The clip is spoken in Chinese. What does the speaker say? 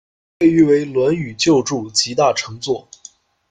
被誉为《论语》旧注集大成作。